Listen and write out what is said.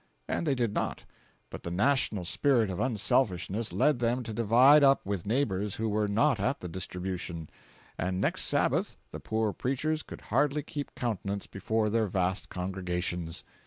And they did not; but the national spirit of unselfishness led them to divide up with neighbors who were not at the distribution, and next Sabbath the poor preachers could hardly keep countenance before their vast congregations.